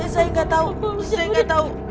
saya gak tau saya gak tau